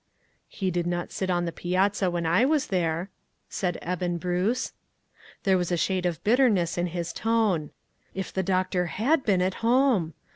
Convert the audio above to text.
" He did not sit on the piazza when I was there," said Eben Bruce. I5O ONE COMMONPLACE DAY. There was a shade of bitterness in his tone. "If the doctor had been at home!"